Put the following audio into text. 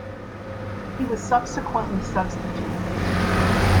He was subsequently substituted.